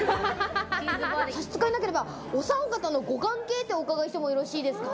差し支えなければ、お３方のご関係ってお伺いしてもよろしいですか？